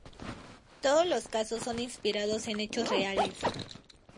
Todos los casos son inspirados en hechos reales.